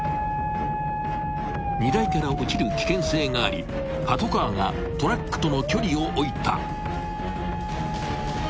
［荷台から落ちる危険性がありパトカーがトラックとの距離を置いた］